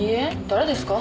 誰ですか？